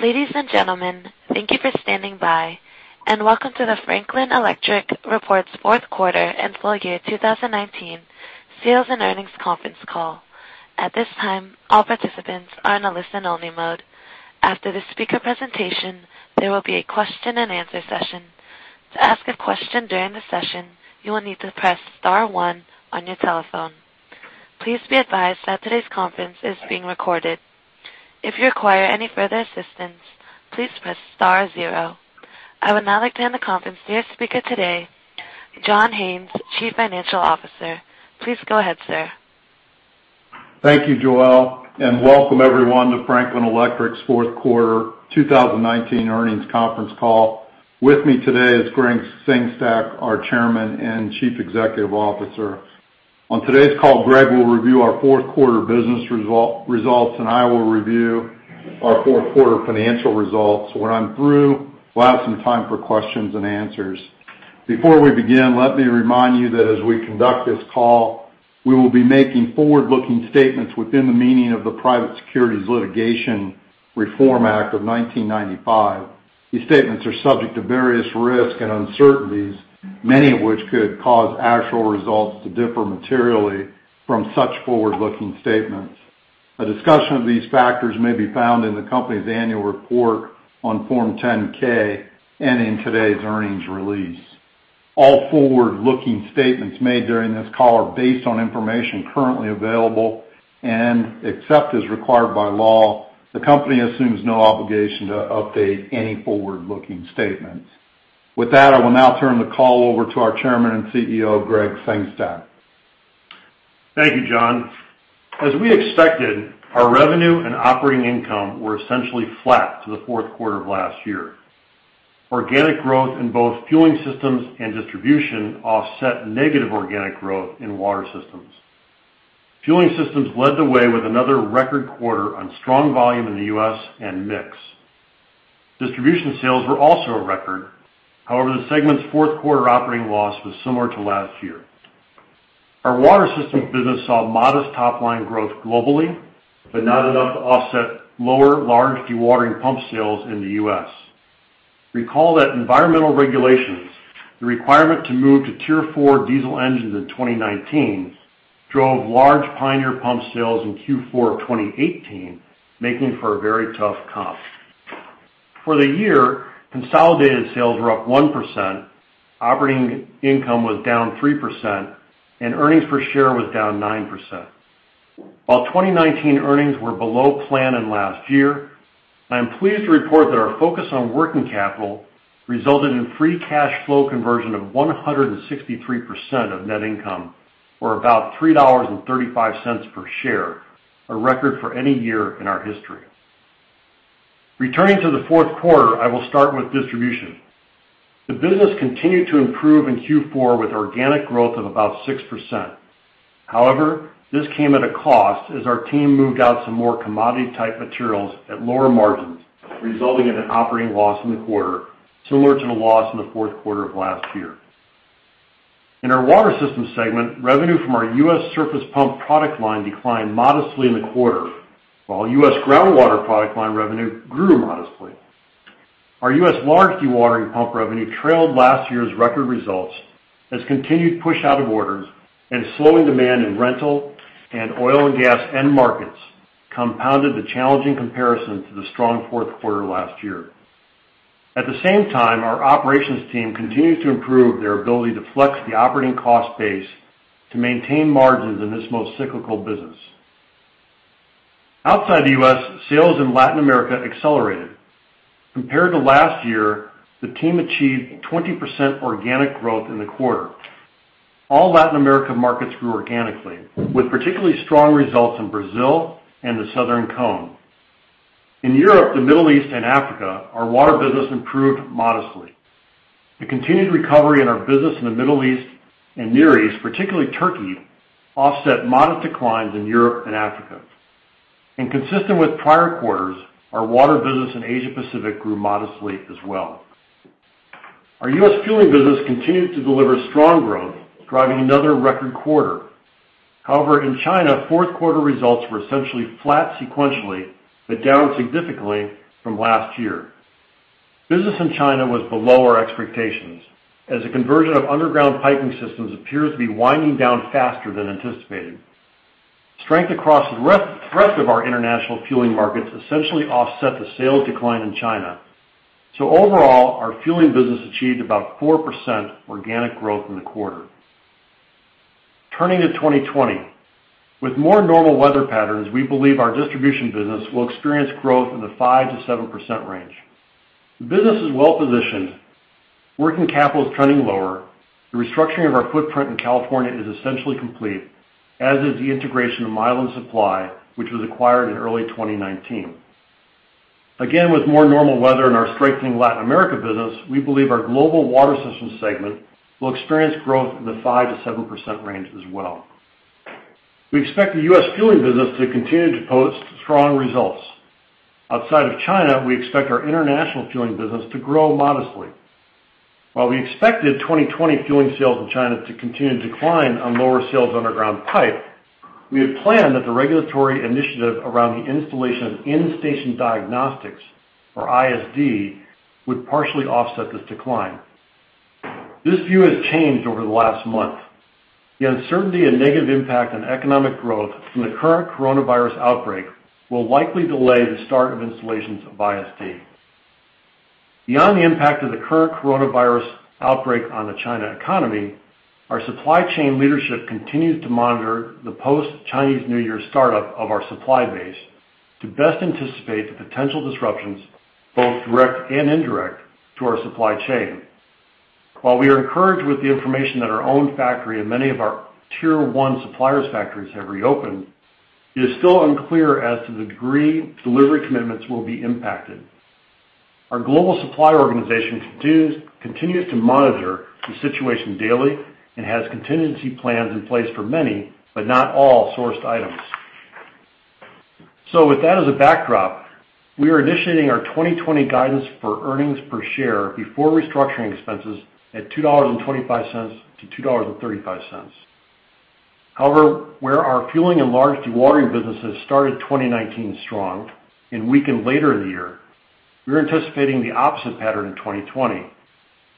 Ladies and gentlemen, thank you for standing by, and Welcome to the Franklin Electric's Report's Q4 and Full Year 2019 Sales and Earnings Conference Call. At this time, all participants are in a listen-only mode. After the speaker presentation, there will be a question-and-answer session. To ask a question during the session, you will need to press star one on your telephone. Please be advised that today's conference is being recorded. If you require any further assistance, please press star zero. I would now like to hand the conference to your speaker today, John Haines, Chief Financial Officer. Please go ahead, sir. Thank you, Joelle, and welcome everyone to Franklin Electric's Q4 2019 earnings conference call. With me today is Gregg Sengstack, our Chairman and Chief Executive Officer. On today's call, Gregg will review our Q4 business results, and I will review our Q4 financial results. When I'm through, we'll have some time for questions and answers. Before we begin, let me remind you that as we conduct this call, we will be making forward-looking statements within the meaning of the Private Securities Litigation Reform Act of 1995. These statements are subject to various risks and uncertainties, many of which could cause actual results to differ materially from such forward-looking statements. A discussion of these factors may be found in the company's annual report on Form 10-K and in today's earnings release. All forward-looking statements made during this call are based on information currently available, and except as required by law, the company assumes no obligation to update any forward-looking statements. With that, I will now turn the call over to our Chairman and CEO, Gregg Sengstack. Thank you, John. As we expected, our revenue and operating income were essentially flat to the Q4 of last year. Organic growth in both Fueling Systems and Distribution offset negative organic growth in Water Systems. Fueling Systems led the way with another record quarter on strong volume in the U.S. and mix. Distribution sales were also a record. However, the segment's Q4 operating loss was similar to last year. Our Water Systems business saw modest top-line growth globally, but not enough to offset lower large dewatering pump sales in the U.S. Recall that environmental regulations, the requirement to move to Tier 4 diesel engines in 2019, drove large Pioneer Pump sales in Q4 of 2018, making for a very tough comp. For the year, consolidated sales were up 1%, operating income was down 3%, and earnings per share was down 9%. While 2019 earnings were below plan in last year, I am pleased to report that our focus on working capital resulted in free cash flow conversion of 163% of net income, or about $3.35 per share, a record for any year in our history. Returning to the Q4, I will start with distribution. The business continued to improve in Q4 with organic growth of about 6%. However, this came at a cost as our team moved out some more commodity-type materials at lower margins, resulting in an operating loss in the quarter similar to the loss in the Q4 of last year. In our water systems segment, revenue from our U.S. surface pump product line declined modestly in the quarter, while U.S. groundwater product line revenue grew modestly. Our U.S. large dewatering pump revenue trailed last year's record results as continued push-out of orders and slowing demand in rental and oil and gas end markets compounded the challenging comparison to the strong Q4 last year. At the same time, our operations team continues to improve their ability to flex the operating cost base to maintain margins in this most cyclical business. Outside the U.S., sales in Latin America accelerated. Compared to last year, the team achieved 20% organic growth in the quarter. All Latin America markets grew organically, with particularly strong results in Brazil and the Southern Cone. In Europe, the Middle East, and Africa, our water business improved modestly. The continued recovery in our business in the Middle East and Near East, particularly Turkey, offset modest declines in Europe and Africa. And consistent with prior quarters, our water business in Asia-Pacific grew modestly as well. Our U.S. fueling business continued to deliver strong growth, driving another record quarter. However, in China, Q4 results were essentially flat sequentially but down significantly from last year. Business in China was below our expectations, as the conversion of underground piping systems appears to be winding down faster than anticipated. Strength across the rest of our international fueling markets essentially offset the sales decline in China. So overall, our fueling business achieved about 4% organic growth in the quarter. Turning to 2020, with more normal weather patterns, we believe our distribution business will experience growth in the 5% to 7% range. The business is well positioned. Working capital is trending lower. The restructuring of our footprint in California is essentially complete, as is the integration of Milan Supply, which was acquired in early 2019. Again, with more normal weather and our strengthening Latin America business, we believe our global water systems segment will experience growth in the 5% to 7% range as well. We expect the U.S. fueling business to continue to post strong results. Outside of China, we expect our international fueling business to grow modestly. While we expected 2020 fueling sales in China to continue to decline on lower sales of underground pipe, we had planned that the regulatory initiative around the installation of in-station diagnostics, or ISD, would partially offset this decline. This view has changed over the last month. The uncertainty and negative impact on economic growth from the current coronavirus outbreak will likely delay the start of installations of ISD. Beyond the impact of the current coronavirus outbreak on the China economy, our supply chain leadership continues to monitor the post-Chinese New Year startup of our supply base to best anticipate the potential disruptions, both direct and indirect, to our supply chain. While we are encouraged with the information that our own factory and many of our tier one suppliers' factories have reopened, it is still unclear as to the degree delivery commitments will be impacted. Our global supply organization continues to monitor the situation daily and has contingency plans in place for many but not all sourced items. So with that as a backdrop, we are initiating our 2020 guidance for earnings per share before restructuring expenses at $2.25 to 2.35. However, where our fueling and large dewatering businesses started 2019 strong and weakened later in the year, we are anticipating the opposite pattern in 2020.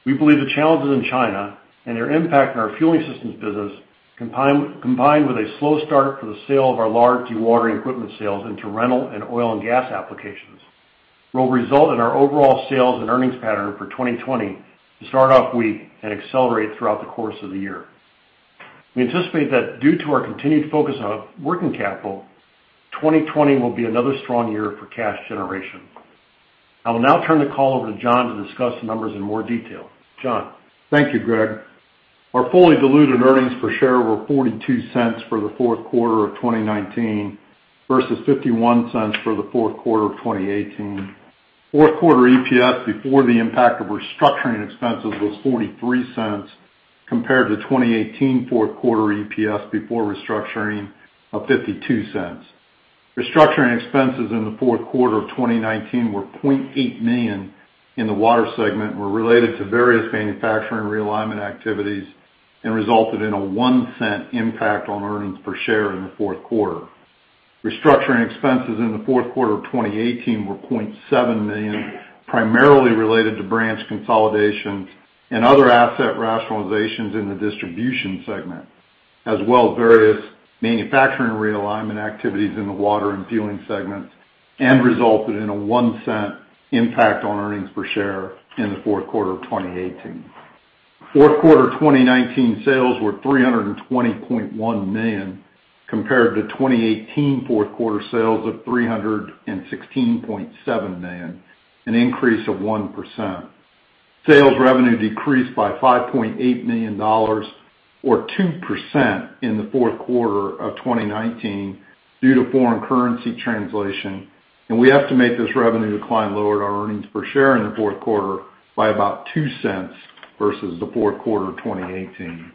We believe the challenges in China and their impact on our fueling systems business, combined with a slow start for the sale of our large dewatering equipment sales into rental and oil and gas applications, will result in our overall sales and earnings pattern for 2020 to start off weak and accelerate throughout the course of the year. We anticipate that due to our continued focus on working capital, 2020 will be another strong year for cash generation. I will now turn the call over to John to discuss the numbers in more detail. John. Thank you, Gregg. Our fully diluted earnings per share were $0.42 for the Q4 of 2019 versus $0.51 for the Q4 of 2018. Q4 EPS before the impact of restructuring expenses was $0.43 compared to 2018 Q4 EPS before restructuring of $0.52. Restructuring expenses in the Q4 of 2019 were $0.8 million in the water segment and were related to various manufacturing realignment activities and resulted in a $0.01 impact on earnings per share in the Q4. Restructuring expenses in the Q4 of 2018 were $0.7 million, primarily related to branch consolidation and other asset rationalizations in the distribution segment, as well as various manufacturing realignment activities in the water and fueling segments, and resulted in a $0.01 impact on earnings per share in the Q4 of 2018. Q4 2019 sales were $320.1 million compared to 2018 Q4 sales of $316.7 million, an increase of 1%. Sales revenue decreased by $5.8 million, or 2%, in the Q4 of 2019 due to foreign currency translation, and we estimate this revenue decline lowered our earnings per share in the Q4 by about $0.02 versus the Q4 of 2018.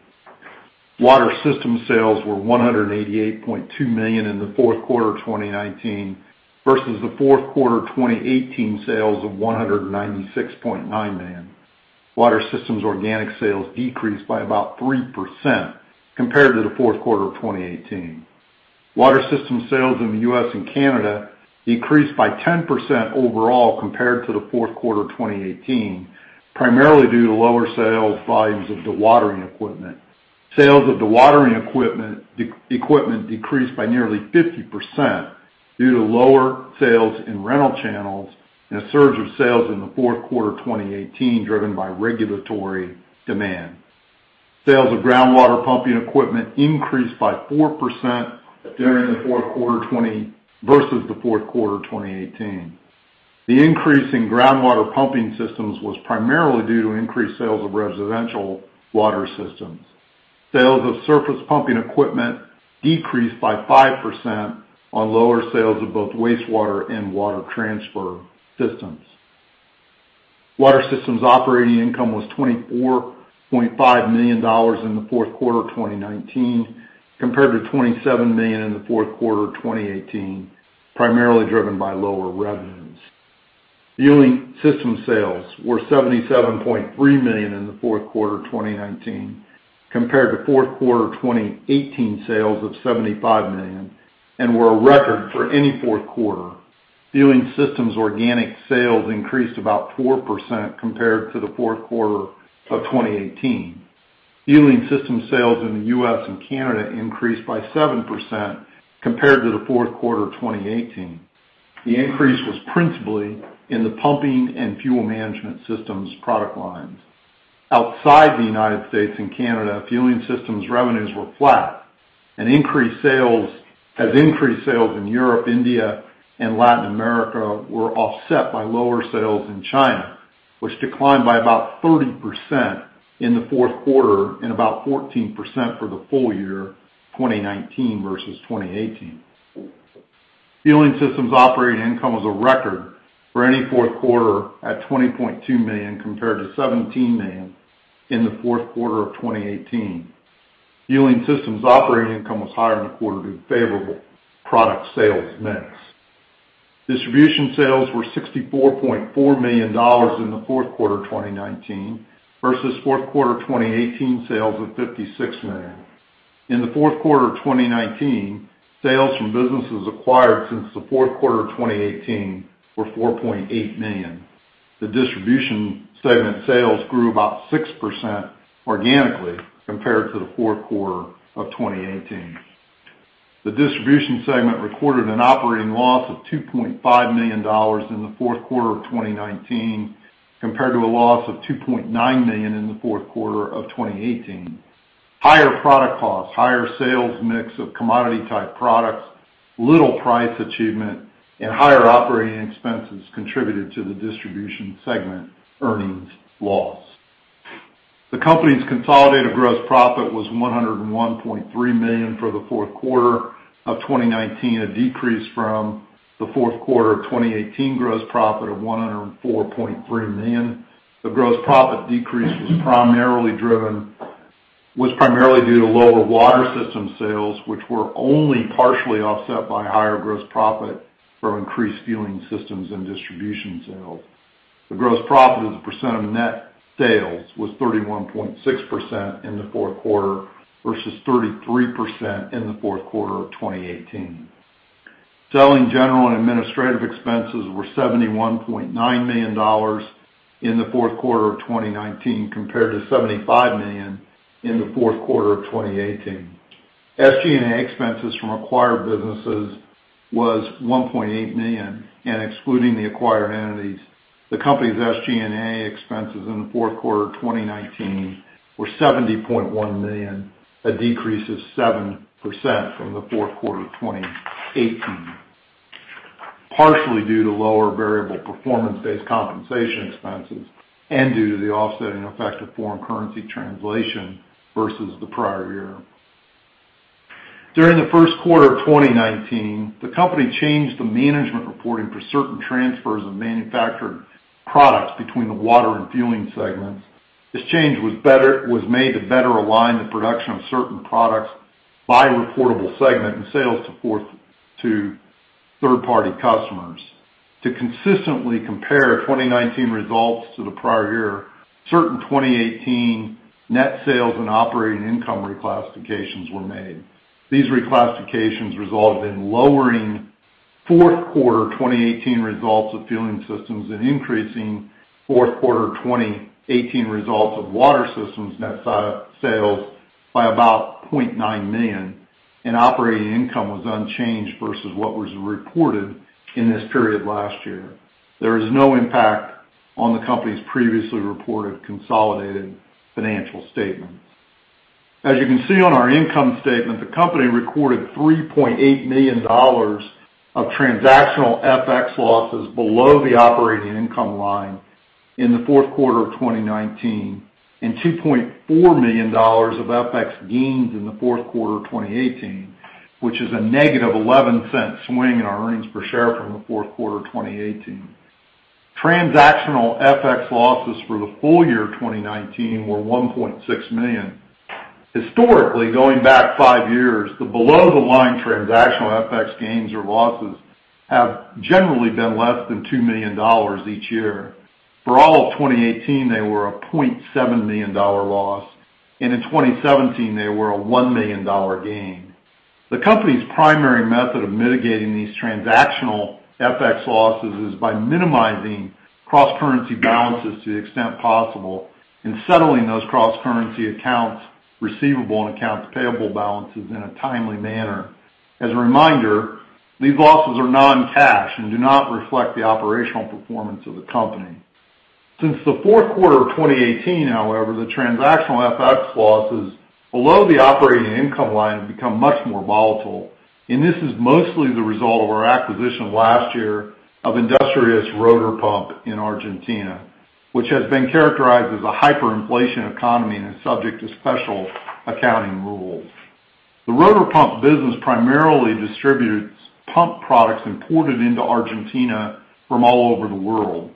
Water systems sales were $188.2 million in the Q4 of 2019 versus the Q4 of 2018 sales of $196.9 million. Water systems organic sales decreased by about 3% compared to the Q4 of 2018. Water systems sales in the U.S. and Canada decreased by 10% overall compared to the Q4 of 2018, primarily due to lower sales volumes of dewatering equipment. Sales of dewatering equipment decreased by nearly 50% due to lower sales in rental channels and a surge of sales in the Q4 of 2018 driven by regulatory demand. Sales of groundwater pumping equipment increased by 4% during the Q4 versus the Q4 of 2018. The increase in groundwater pumping systems was primarily due to increased sales of residential water systems. Sales of surface pumping equipment decreased by 5% on lower sales of both wastewater and water transfer systems. Water Systems operating income was $24.5 million in the Q4 of 2019 compared to $27 million in the Q4 of 2018, primarily driven by lower revenues. Fueling Systems sales were $77.3 million in the Q4 of 2019 compared to Q4 2018 sales of $75 million and were a record for any Q4. Fueling systems organic sales increased about 4% compared to the Q4 of 2018. Fueling systems sales in the US and Canada increased by 7% compared to the Q4 of 2018. The increase was principally in the pumping and fuel management systems product lines. Outside the United States and Canada, fueling systems revenues were flat. As increased sales in Europe, India, and Latin America were offset by lower sales in China, which declined by about 30% in the Q4 and about 14% for the full year, 2019 versus 2018. Fueling systems operating income was a record for any Q4 at $20.2 million compared to $17 million in the Q4 of 2018. Fueling systems operating income was higher in the quarter due to favorable product sales mix. Distribution sales were $64.4 million in the Q4 of 2019 versus Q4 2018 sales of $56 million. In the Q4 of 2019, sales from businesses acquired since the Q4 of 2018 were $4.8 million. The Distribution segment sales grew about 6% organically compared to the Q4 of 2018. The Distribution segment recorded an operating loss of $2.5 million in the Q4 of 2019 compared to a loss of $2.9 million in the Q4 of 2018. Higher product cost, higher sales mix of commodity-type products, little price achievement, and higher operating expenses contributed to the Distribution segment earnings loss. The company's consolidated gross profit was $101.3 million for the Q4 of 2019, a decrease from the Q4 of 2018 gross profit of $104.3 million. The gross profit decrease was primarily due to lower Water Systems sales, which were only partially offset by higher gross profit from increased fueling systems and Distribution sales. The gross profit as a percent of net sales was 31.6% in the Q4 versus 33% in the Q4 of 2018. Selling, general, and administrative expenses were $71.9 million in the Q4 of 2019 compared to $75 million in the Q4 of 2018. SG&A expenses from acquired businesses were $1.8 million, and excluding the acquired entities, the company's SG&A expenses in the Q4 of 2019 were $70.1 million, a decrease of 7% from the Q4 of 2018, partially due to lower variable performance-based compensation expenses and due to the offsetting effect of foreign currency translation versus the prior year. During the Q1 of 2019, the company changed the management reporting for certain transfers of manufactured products between the water and fueling segments. This change was made to better align the production of certain products by reportable segment and sales to third-party customers. To consistently compare 2019 results to the prior year, certain 2018 net sales and operating income reclassifications were made. These reclassifications resulted in lowering Q4 2018 results of fueling systems and increasing Q4 2018 results of water systems net sales by about $0.9 million, and operating income was unchanged versus what was reported in this period last year. There was no impact on the company's previously reported consolidated financial statements. As you can see on our income statement, the company recorded $3.8 million of transactional FX losses below the operating income line in the Q4 of 2019 and $2.4 million of FX gains in the Q4 of 2018, which is a -$0.11 swing in our earnings per share from the Q4 of 2018. Transactional FX losses for the full year 2019 were $1.6 million. Historically, going back 5 years, the below-the-line transactional FX gains or losses have generally been less than $2 million each year. For all of 2018, they were a $0.7 million loss, and in 2017, they were a $1 million gain. The company's primary method of mitigating these transactional FX losses is by minimizing cross-currency balances to the extent possible and settling those cross-currency accounts receivable and accounts payable balances in a timely manner. As a reminder, these losses are non-cash and do not reflect the operational performance of the company. Since the Q4 of 2018, however, the transactional FX losses below the operating income line have become much more volatile, and this is mostly the result of our acquisition last year of Industrias Rotor Pump in Argentina, which has been characterized as a hyperinflation economy and is subject to special accounting rules. The Rotor Pump business primarily distributes pump products imported into Argentina from all over the world.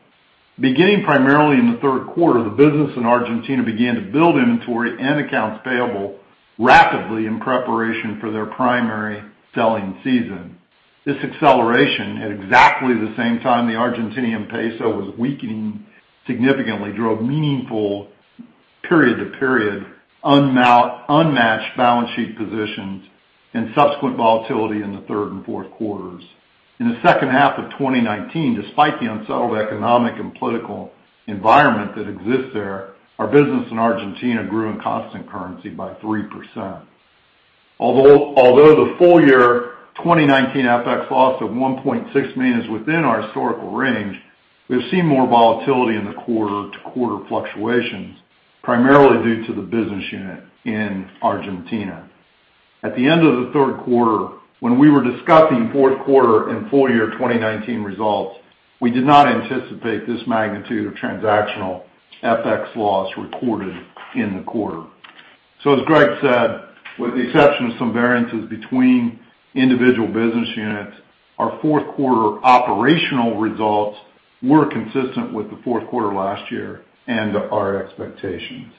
Beginning primarily in the Q3, the business in Argentina began to build inventory and accounts payable rapidly in preparation for their primary selling season. This acceleration, at exactly the same time the Argentine peso was weakening significantly, drove meaningful, period-to-period, unmatched balance sheet positions and subsequent volatility in the third and Q4s. In the second half of 2019, despite the unsettled economic and political environment that exists there, our business in Argentina grew in constant currency by 3%. Although the full year 2019 FX loss of $1.6 million is within our historical range, we have seen more volatility in the quarter-to-quarter fluctuations, primarily due to the business unit in Argentina. At the end of the Q3, when we were discussing Q4 and full year 2019 results, we did not anticipate this magnitude of transactional FX loss recorded in the quarter. So, as Gregg said, with the exception of some variances between individual business units, our Q4 operational results were consistent with the Q4 last year and our expectations.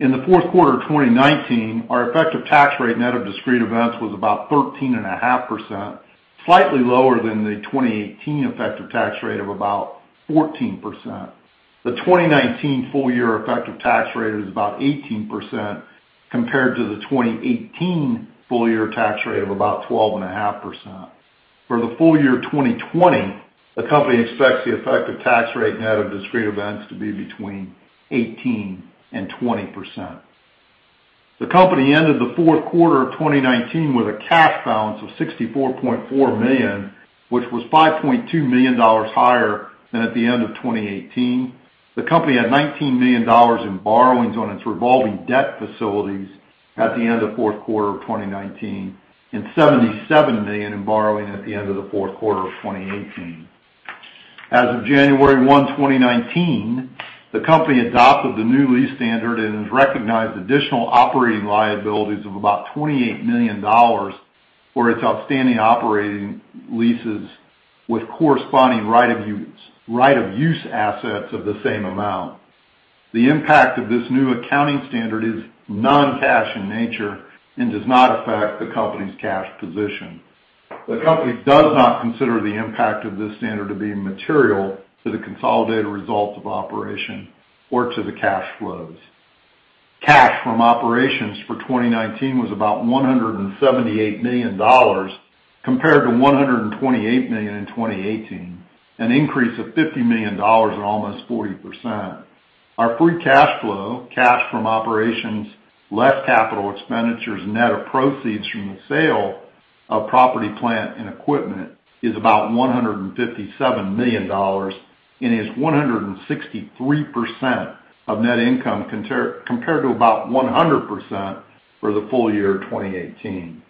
In the Q4 of 2019, our effective tax rate net of discrete events was about 13.5%, slightly lower than the 2018 effective tax rate of about 14%. The 2019 full year effective tax rate is about 18% compared to the 2018 full year tax rate of about 12.5%. For the full year 2020, the company expects the effective tax rate net of discrete events to be between 18% and 20%. The company ended the Q4 of 2019 with a cash balance of $64.4 million, which was $5.2 million higher than at the end of 2018. The company had $19 million in borrowings on its revolving debt facilities at the end of Q4 of 2019 and $77 million in borrowing at the end of the Q4 of 2018. As of January 1, 2019, the company adopted the new lease standard and has recognized additional operating liabilities of about $28 million for its outstanding operating leases with corresponding Right of Use Assets of the same amount. The impact of this new accounting standard is non-cash in nature and does not affect the company's cash position. The company does not consider the impact of this standard to be material to the consolidated results of operation or to the cash flows. Cash from operations for 2019 was about $178 million compared to $128 million in 2018, an increase of $50 million and almost 40%. Our free cash flow, cash from operations, less capital expenditures, net of proceeds from the sale of property, plant, and equipment, is about $157 million and is 163% of net income compared to about 100% for the full year 2018.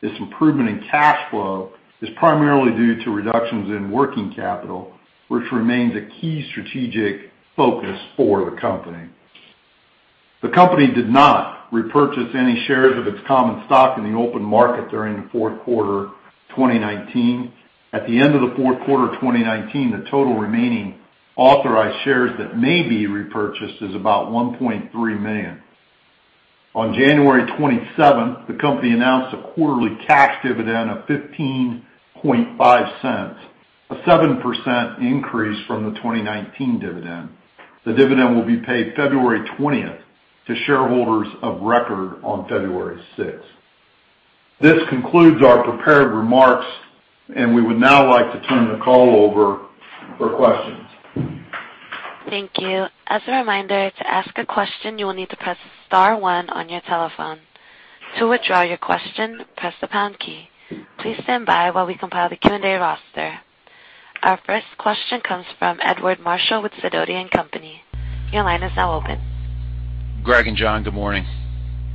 This improvement in cash flow is primarily due to reductions in working capital, which remains a key strategic focus for the company. The company did not repurchase any shares of its common stock in the open market during the Q4 of 2019. At the end of the Q4 of 2019, the total remaining authorized shares that may be repurchased is about $1.3 million. On January 27th, the company announced a quarterly cash dividend of $0.155, a 7% increase from the 2019 dividend. The dividend will be paid February 20th to shareholders of record on February 6th. This concludes our prepared remarks, and we would now like to turn the call over for questions. Thank you. As a reminder, to ask a question, you will need to press star one on your telephone. To withdraw your question, press the pound key. Please stand by while we compile the Q&A roster. Our first question comes from Edward Marshall with Sidoti & Company. Your line is now open. Gregg and John, good morning.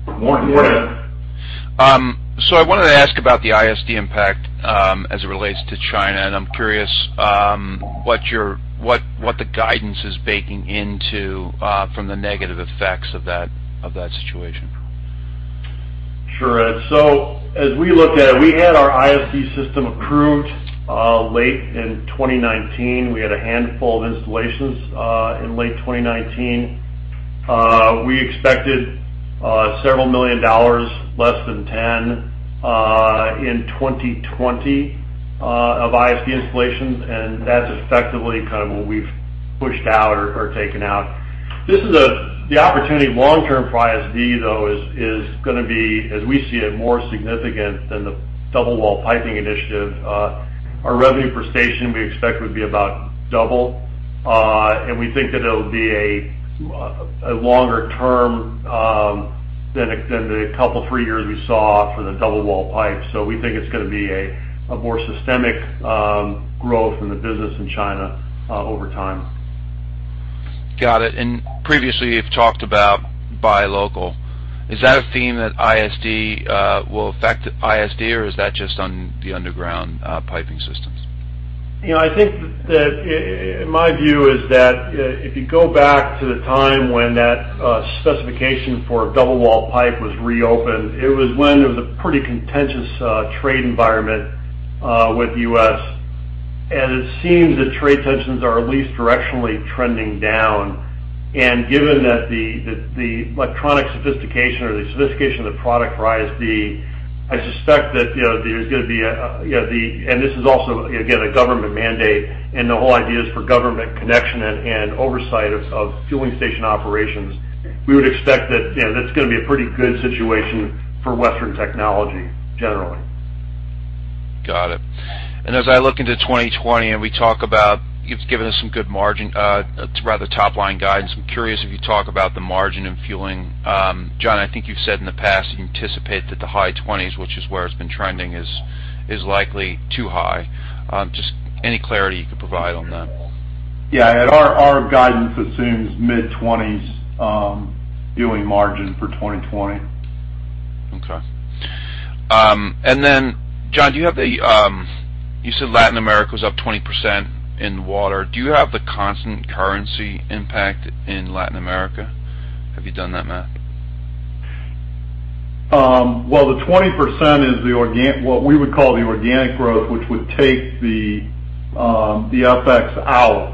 Morning. Morning. I wanted to ask about the ISD impact as it relates to China, and I'm curious what the guidance is baking into from the negative effects of that situation. Sure. So as we look at it, we had our ISD system approved late in 2019. We had a handful of installations in late 2019. We expected several million dollars, less than $10 million in 2020, of ISD installations, and that's effectively kind of what we've pushed out or taken out. The opportunity long-term for ISD, though, is going to be, as we see it, more significant than the double-wall piping initiative. Our revenue per station, we expect, would be about double, and we think that it'll be a longer term than the couple, 3 years we saw for the double-wall pipe. So we think it's going to be a more systemic growth in the business in China over time. Got it. And previously, you've talked about buy local. Is that a theme that ISD will affect ISD, or is that just on the underground piping systems? I think that my view is that if you go back to the time when that specification for double-wall pipe was reopened, it was when there was a pretty contentious trade environment with the U.S. It seems that trade tensions are at least directionally trending down. Given that the electronic sophistication or the sophistication of the product for ISD, I suspect that there's going to be a and this is also, again, a government mandate, and the whole idea is for government connection and oversight of fueling station operations. We would expect that that's going to be a pretty good situation for Western technology, generally. Got it. As I look into 2020 and we talk about, you've given us some good margin, rather top-line guidance. I'm curious if you talk about the margin in fueling. John, I think you've said in the past you anticipate that the high 20s, which is where it's been trending, is likely too high. Just any clarity you could provide on that. Yeah. Our guidance assumes mid-20s fueling margin for 2020. Okay. And then, John, do you have – you said Latin America was up 20% in water. Do you have the constant currency impact in Latin America? Have you done that math? Well, the 20% is what we would call the organic growth, which would take the FX out.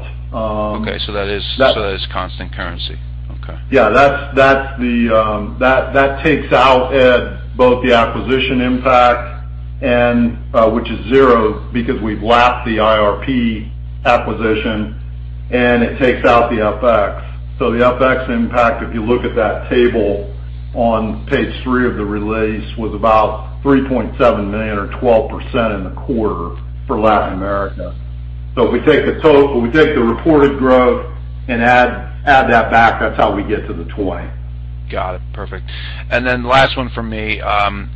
Okay. So that is constant currency. Okay. Yeah. That takes out both the acquisition impact, which is zero because we've lapped the IRP acquisition, and it takes out the FX. So the FX impact, if you look at that table on page three of the release, was about $3.7 million or 12% in the quarter for Latin America. So if we take the reported growth and add that back, that's how we get to the 20. Got it. Perfect. Then last one from me.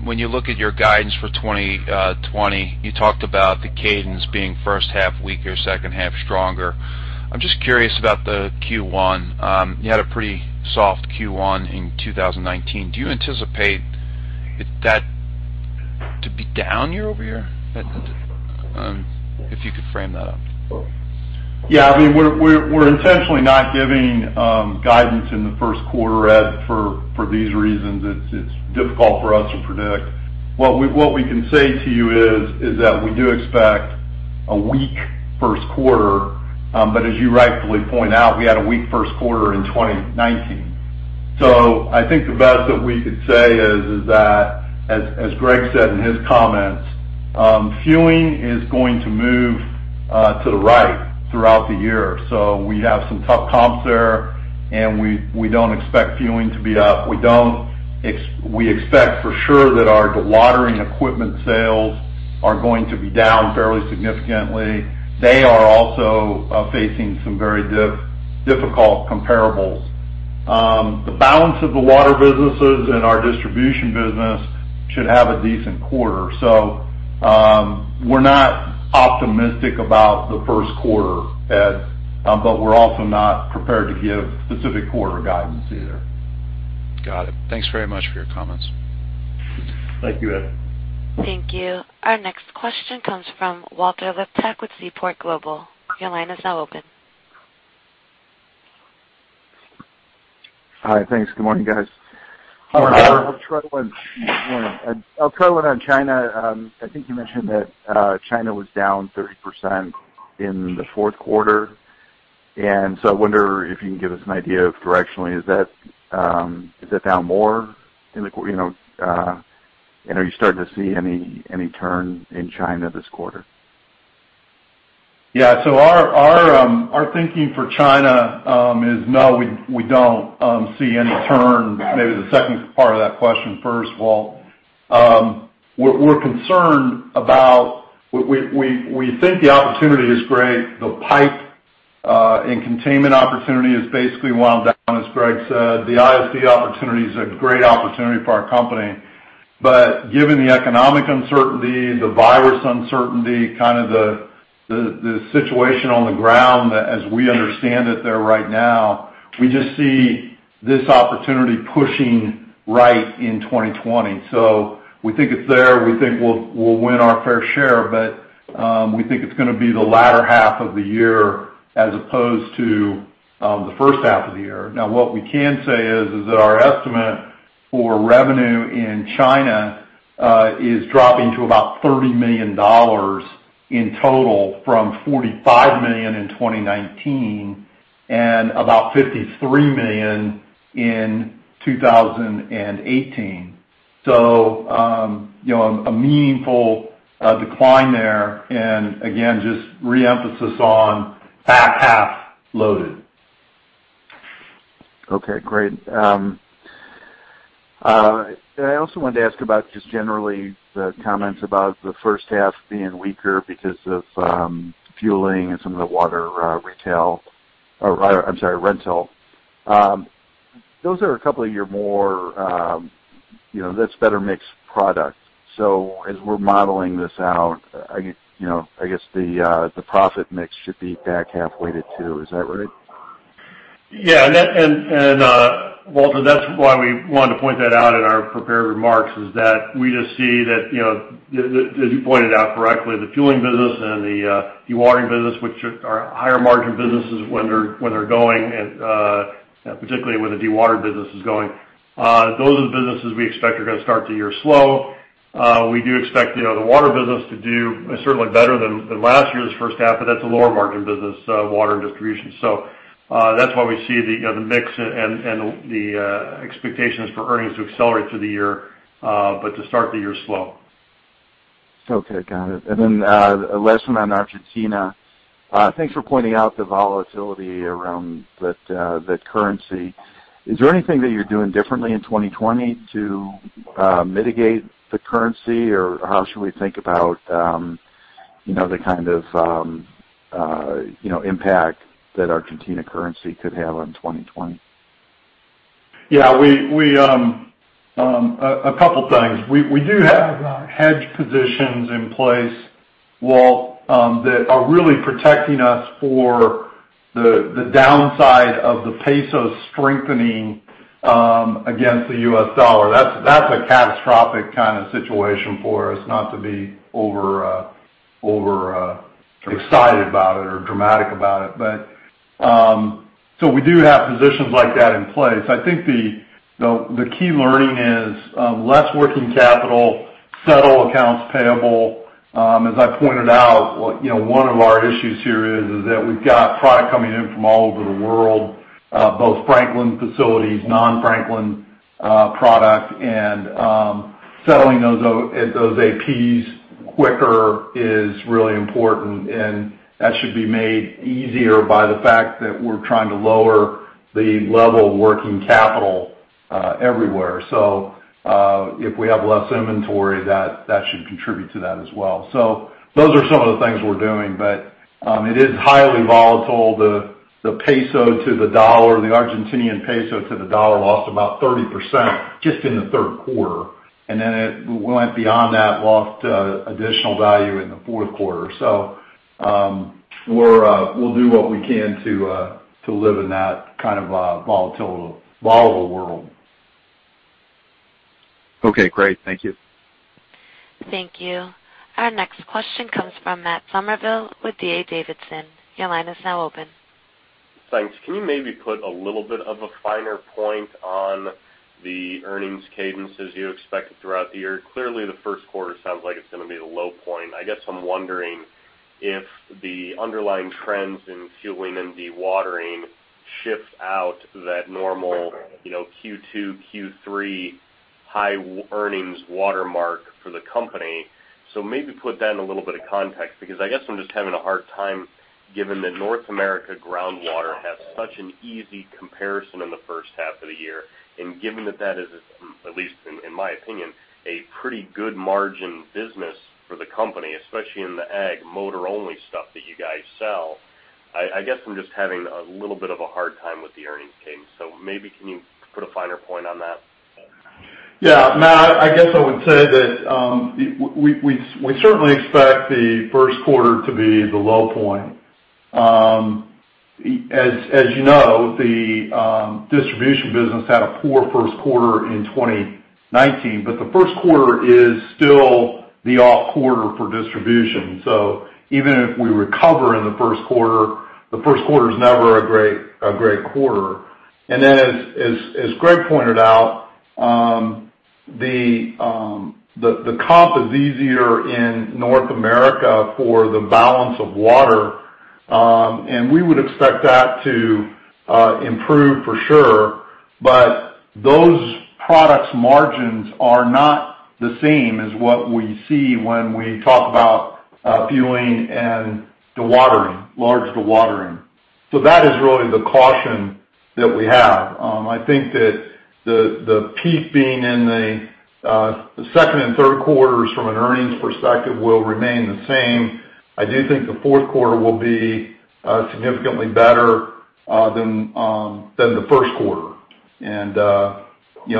When you look at your guidance for 2020, you talked about the cadence being first half weaker or second half stronger. I'm just curious about the Q1. You had a pretty soft Q1 in 2019. Do you anticipate that to be down year-over-year? If you could frame that up. Yeah. I mean, we're intentionally not giving guidance in the Q1 for these reasons. It's difficult for us to predict. What we can say to you is that we do expect a weak Q1, but as you rightfully point out, we had a weak Q1 in 2019. So I think the best that we could say is that, as Gregg said in his comments, fueling is going to move to the right throughout the year. So we have some tough comps there, and we don't expect fueling to be up. We expect for sure that our dewatering equipment sales are going to be down fairly significantly. They are also facing some very difficult comparables. The balance of the water businesses and our distribution business should have a decent quarter. So we're not optimistic about the Q1, Ed, but we're also not prepared to give specific quarter guidance either. Got it. Thanks very much for your comments. Thank you, Ed. Thank you. Our next question comes from Walter Liptak with Seaport Global. Your line is now open. Hi. Thanks. Good morning, guys. Good morning. Good morning. I think you mentioned that China was down 30% in the Q4, and so I wonder if you can give us an idea, directionally. Is that down more in Q1 and are you starting to see any turn in China this quarter? Yeah. So our thinking for China is no, we don't see any turn. Maybe the second part of that question, first, Walt. We're concerned about we think the opportunity is great. The pipe and containment opportunity is basically wound down, as Gregg said. The ISD opportunity is a great opportunity for our company, but given the economic uncertainty, the virus uncertainty, kind of the situation on the ground as we understand it there right now, we just see this opportunity pushing right in 2020. So we think it's there. We think we'll win our fair share, but we think it's going to be the latter half of the year as opposed to the first half of the year. Now, what we can say is that our estimate for revenue in China is dropping to about $30 million in total from $45 million in 2019 and about $53 million in 2018. A meaningful decline there and, again, just re-emphasis on back-half loaded. Okay. Great. And I also wanted to ask about just generally the comments about the first half being weaker because of fueling and some of the water retail or I'm sorry, rental. Those are a couple of year more that's better mixed product. So as we're modeling this out, I guess the profit mix should be back half-weighted too. Is that right? Yeah. And Walter, that's why we wanted to point that out in our prepared remarks, is that we just see that, as you pointed out correctly, the fueling business and the dewatering business, which are higher-margin businesses when they're going, particularly when the dewatering business is going, those are the businesses we expect are going to start the year slow. We do expect the water business to do certainly better than last year's first half, but that's a lower-margin business, water and distribution. So that's why we see the mix and the expectations for earnings to accelerate through the year but to start the year slow. Okay. Got it. And then last one on Argentina. Thanks for pointing out the volatility around the currency. Is there anything that you're doing differently in 2020 to mitigate the currency, or how should we think about the kind of impact that Argentina currency could have on 2020? Yeah. A couple of things. We do have hedge positions in place, Walt, that are really protecting us for the downside of the peso strengthening against the US dollar. That's a catastrophic kind of situation for us, not to be over-excited about it or dramatic about it. So we do have positions like that in place. I think the key learning is less working capital, settle accounts payable. As I pointed out, one of our issues here is that we've got product coming in from all over the world, both Franklin facilities, non-Franklin product, and settling those APs quicker is really important. And that should be made easier by the fact that we're trying to lower the level of working capital everywhere. So if we have less inventory, that should contribute to that as well. So those are some of the things we're doing, but it is highly volatile. The peso to the dollar, the Argentine peso to the dollar, lost about 30% just in the Q3. Then it went beyond that, lost additional value in the Q4. We'll do what we can to live in that kind of volatile world. Okay. Great. Thank you. Thank you. Our next question comes from Matt Somerville with D.A. Davidson. Your line is now open. Thanks. Can you maybe put a little bit of a finer point on the earnings cadences you expect throughout the year? Clearly, the Q1 sounds like it's going to be the low point. I guess I'm wondering if the underlying trends in fueling and dewatering shift out that normal Q2, Q3 high earnings watermark for the company. So maybe put that in a little bit of context because I guess I'm just having a hard time given that North America groundwater has such an easy comparison in the first half of the year. And given that that is, at least in my opinion, a pretty good margin business for the company, especially in the ag motor-only stuff that you guys sell, I guess I'm just having a little bit of a hard time with the earnings cadence. So maybe can you put a finer point on that? Yeah. Matt, I guess I would say that we certainly expect the Q1 to be the low point. As you know, the distribution business had a poor Q1 in 2019, but the Q1 is still the off-quarter for distribution. So even if we recover in the Q1, the Q1 is never a great quarter. And then, as Gregg pointed out, the comp is easier in North America for the balance of water, and we would expect that to improve for sure. But those products' margins are not the same as what we see when we talk about fueling and dewatering, large dewatering. So that is really the caution that we have. I think that the peak being in the Q2 and Q3, from an earnings perspective, will remain the same. I do think the Q4 will be significantly better than the Q1.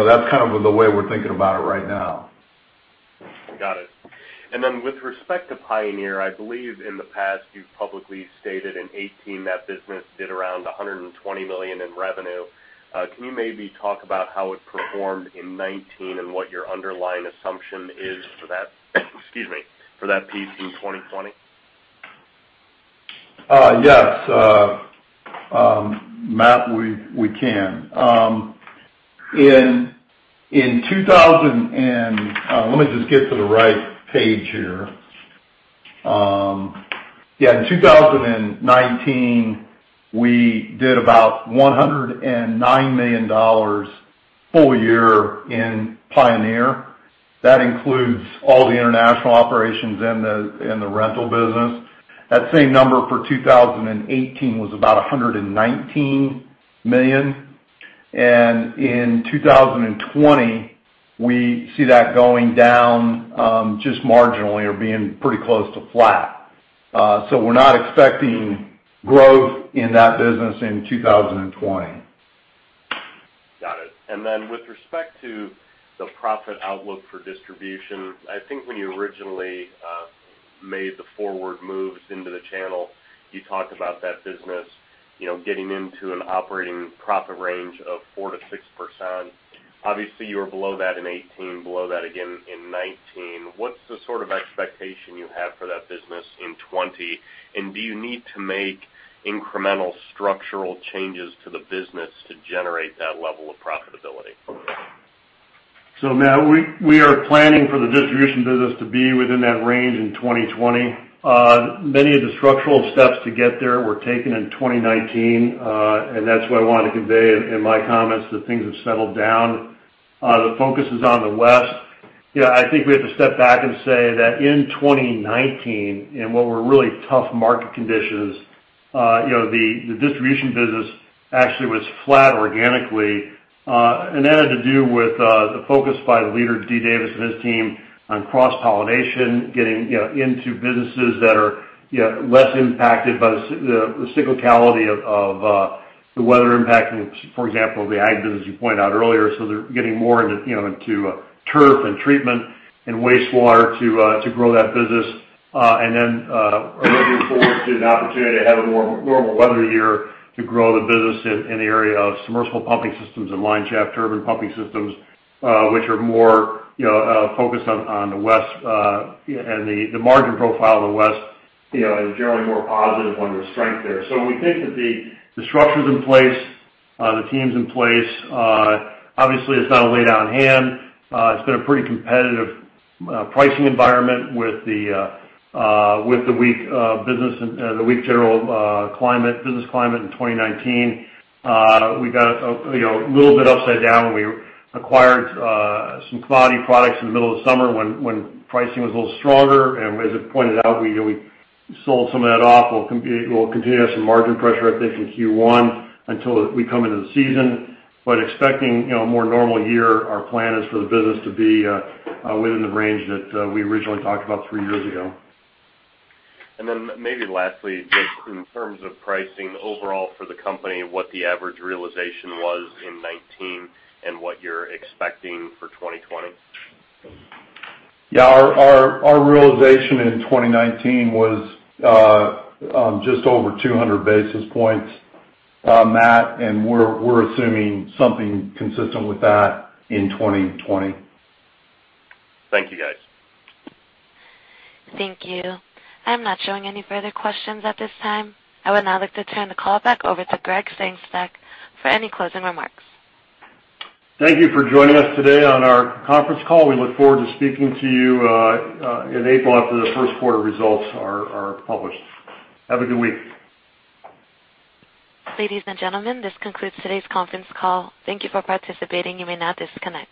That's kind of the way we're thinking about it right now. Got it. And then with respect to Pioneer, I believe in the past you've publicly stated in 2018 that business did around $120 million in revenue. Can you maybe talk about how it performed in 2019 and what your underlying assumption is for that excuse me, for that piece in 2020? Yes. Matt, we can. Let me just get to the right page here. Yeah. In 2019, we did about $109 million full year in Pioneer. That includes all the international operations and the rental business. That same number for 2018 was about $119 million. And in 2020, we see that going down just marginally or being pretty close to flat. So we're not expecting growth in that business in 2020. Got it. And then with respect to the profit outlook for distribution, I think when you originally made the forward moves into the channel, you talked about that business getting into an operating profit range of 4% to 6%. Obviously, you were below that in 2018, below that again in 2019. What's the sort of expectation you have for that business in 2020, and do you need to make incremental structural changes to the business to generate that level of profitability? So, Matt, we are planning for the distribution business to be within that range in 2020. Many of the structural steps to get there were taken in 2019, and that's what I wanted to convey in my comments, that things have settled down. The focus is on the West. Yeah. I think we have to step back and say that in 2019, in what were really tough market conditions, the distribution business actually was flat organically. And that had to do with the focus by the leader, D. Davis, and his team on cross-pollination, getting into businesses that are less impacted by the cyclicality of the weather impacting, for example, the ag business you pointed out earlier. So they're getting more into turf and treatment and wastewater to grow that business. And then looking forward to an opportunity to have a more normal weather year to grow the business in the area of submersible pumping systems and line shaft turbine pumping systems, which are more focused on the west and the margin profile of the west is generally more positive when there's strength there. So we think that the structures in place, the teams in place, obviously, it's not a lay-down hand. It's been a pretty competitive pricing environment with the weak business and the weak general business climate in 2019. We got a little bit upside down when we acquired some commodity products in the middle of the summer when pricing was a little stronger. And as I pointed out, we sold some of that off. We'll continue to have some margin pressure, I think, in Q1 until we come into the season. Expecting a more normal year, our plan is for the business to be within the range that we originally talked about three years ago. And then maybe lastly, just in terms of pricing overall for the company, what the average realization was in 2019 and what you're expecting for 2020? Yeah. Our realization in 2019 was just over 200 basis points, Matt, and we're assuming something consistent with that in 2020. Thank you, guys. Thank you. I'm not showing any further questions at this time. I would now like to turn the call back over to Gregg Sengstack for any closing remarks. Thank you for joining us today on our conference call. We look forward to speaking to you in April after the Q1 results are published. Have a good week. Ladies and gentlemen, this concludes today's conference call. Thank you for participating. You may now disconnect.